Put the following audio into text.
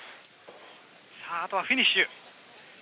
さぁあとはフィニッシュ。